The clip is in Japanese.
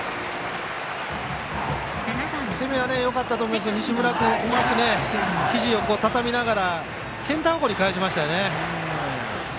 攻めはよかったと思いますけど西村君うまく、ひじをたたみながらセンター方向に返しましたよね。